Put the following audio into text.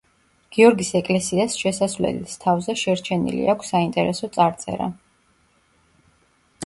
გიორგის ეკლესიას შესასვლელის თავზე შერჩენილი აქვს საინტერესო წარწერა.